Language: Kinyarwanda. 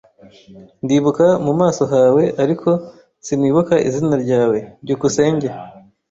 Ndibuka mu maso hawe, ariko sinibuka izina ryawe. byukusenge